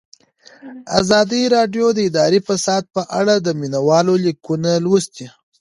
ازادي راډیو د اداري فساد په اړه د مینه والو لیکونه لوستي.